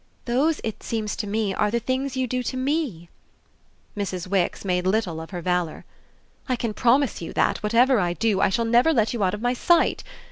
"Those, it seems to me, are the things you do to ME." Mrs. Wix made little of her valour. "I can promise you that, whatever I do, I shall never let you out of my sight!